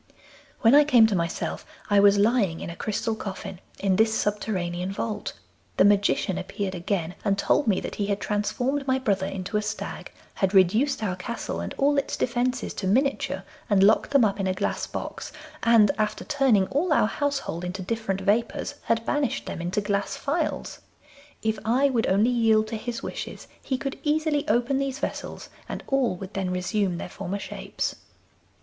'When I came to myself I was lying in a crystal coffin in this subterranean vault. The Magician appeared again, and told me that he had transformed my brother into a stag, had reduced our castle and all its defences to miniature and locked them up in a glass box, and after turning all our household into different vapours had banished them into glass phials. If I would only yield to his wishes he could easily open these vessels, and all would then resume their former shapes.